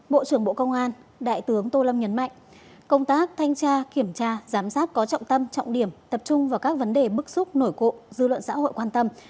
bộ trưởng bộ công an đại tướng tô lâm nhấn mạnh công tác thanh tra kiểm tra giám sát có trọng tâm trọng điểm tập trung vào các vấn đề bức xúc nổi cộ dư luận xã hội quan tâm